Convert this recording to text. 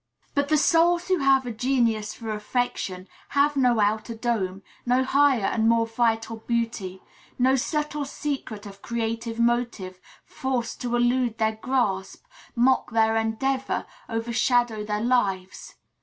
But the souls who have a "genius for affection" have no outer dome, no higher and more vital beauty; no subtle secret of creative motive force to elude their grasp, mock their endeavor, overshadow their lives.